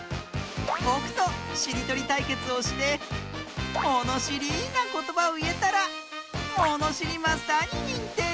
ぼくとしりとりたいけつをしてものしりなことばをいえたらものしりマスターににんてい！